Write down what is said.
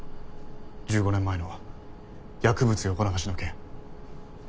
１５年前の薬物横流しの件。